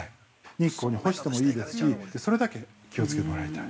日光に干してもいいですしそれだけ気をつけてもらいたい。